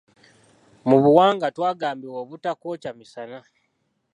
Mu buwangwa twagambibwa obutakocca misana.